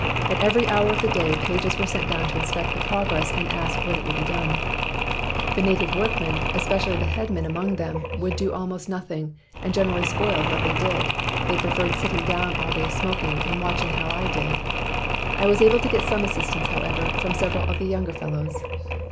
At every hour of the day pages were sent down to inspect the progress and ask when it would be done. The native workmen, especially the head men among them, would do almost nothing, and generally spoiled what they did. They preferred sitting down all day smoking, and watching how I did. I was able to get some assistance, however, from several of the younger fellows.